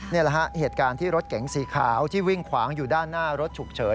นี่แหละฮะเหตุการณ์ที่รถเก๋งสีขาวที่วิ่งขวางอยู่ด้านหน้ารถฉุกเฉิน